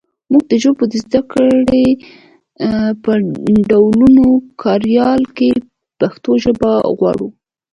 مونږ د ژبو د زده کړې په ډولونګو کاریال کې پښتو ژبه غواړو